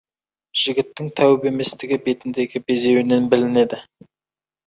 Жігіттің тәуіп еместігі бетіндегі безеуінен білінеді.